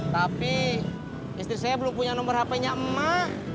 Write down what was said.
tapi istri saya belum punya nomor hp nya emak